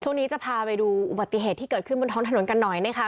ช่วงนี้จะพาไปดูอุบัติเหตุที่เกิดขึ้นบนท้องถนนกันหน่อยนะคะ